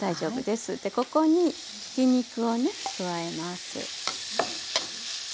でここにひき肉をね加えます。